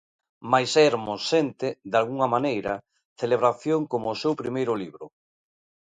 Mais Hermo sente, dalgunha maneira, Celebración como o seu primeiro libro.